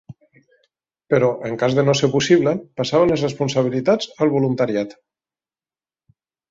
Però, en cas de no ser possible, passaven les responsabilitats al voluntariat.